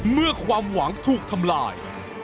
เมื่อความหวังถูกทำลาย